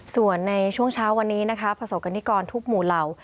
ส่วนในช่วงเช้าวันนี้นะคะประสบกรณิกรทุกหมู่เหล่า